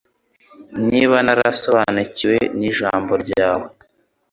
Niba narasobanukiwe n'ijambo ryawe